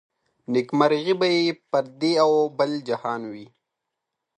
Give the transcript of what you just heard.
نيکمرغي به يې پر دې او بل جهان وي